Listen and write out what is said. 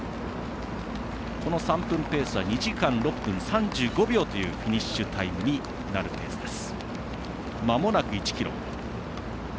この３分ペースは２時間６分３５秒というフィニッシュタイムになるペースです。